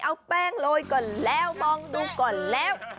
เอาแป้งโรยก่อนแล้วมองดูก่อนแล้ว